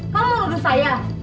kamu nuduh saya